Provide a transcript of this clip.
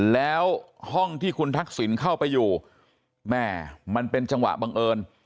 แล้วห้องที่คุณทักษิณเข้าไปอยู่แม่มันเป็นจังหวะบังเอิญ